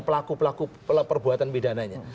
pelaku pelaku perbuatan bidananya